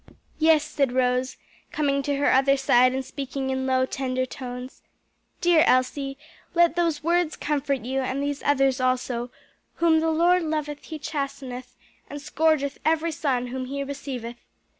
'" "Yes," said Rose, coming to her other side and speaking in low, tender tones, "dear Elsie, let those words comfort you; and these others also, 'Whom the Lord loveth he chasteneth, and scourgeth every son whom he receiveth.'